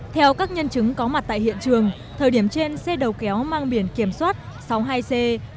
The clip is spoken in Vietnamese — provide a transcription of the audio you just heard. theo các nhân chứng có mặt tại hiện trường thời điểm trên xe đầu kéo mang biển kiểm soát sáu mươi hai c bốn nghìn ba trăm bốn mươi tám